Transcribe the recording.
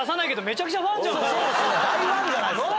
大ファンじゃないすか。